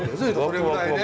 それぐらいね。